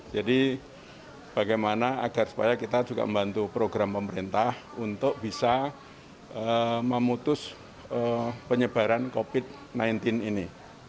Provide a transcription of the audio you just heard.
jadi bagaimana agar supaya kita juga membantu program pemerintah untuk bisa memutus penyebaran covid sembilan belas ini